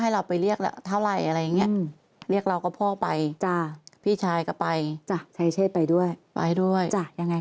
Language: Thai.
ให้เราไปเรียกเท่าไหร่อะไรเงี้ยเรียกเราก็พ่อไปแต่พี่ชายต่อไปจะใช่เชศไปด้วยไปด้วย